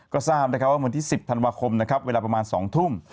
ก็ทราบว่าวันที่๑๐ธันวาคมนะครับเวลาประมาณ๒ทุ่ม